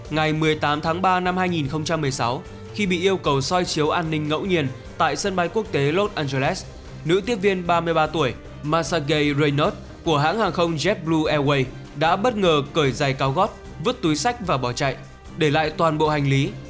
ngày một mươi tám tháng ba năm hai nghìn một mươi sáu khi bị yêu cầu soi chiếu an ninh ngẫu nhiên tại sân bay quốc tế los angeles nữ tiếp viên ba mươi ba tuổi masage rainus của hãng hàng không jabboo airways đã bất ngờ cởi dày cao góp vứt túi sách và bỏ chạy để lại toàn bộ hành lý